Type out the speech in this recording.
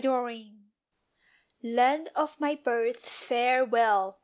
_ Land of my birth, farewell!